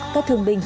các thương binh